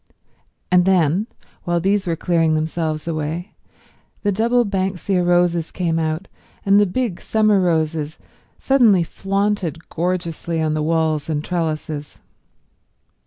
And then, while these were clearing themselves away, the double banksia roses came out, and the big summer roses suddenly flaunted gorgeously on the walls and trellises.